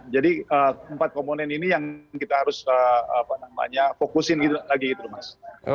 jadi empat komponen ini yang kita harus fokusin lagi gitu mas